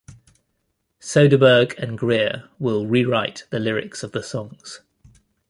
Soderbergh and Greer will rewrite the lyrics of the songs.